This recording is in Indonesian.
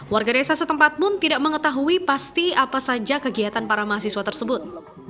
warga desa setempat pun tidak mengetahui pasti apa saja kegiatan para mahasiswa tersebut